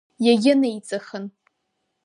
Иагьынеиҵыхын.